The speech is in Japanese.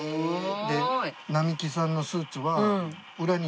で並木さんのスーツは。